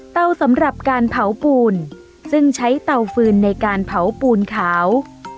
สำหรับการเผาปูนซึ่งใช้เตาฟืนในการเผาปูนขาว